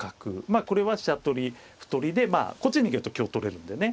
まあこれは飛車取り歩取りでこっちに逃げると香取れるんでね。